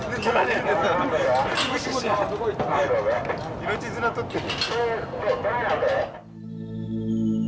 命綱取ってる。